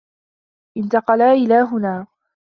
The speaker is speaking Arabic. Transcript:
انتقلا إلى هنا.